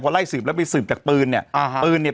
พอไล่สืบแล้วไปสืบจากปืนเนี่ย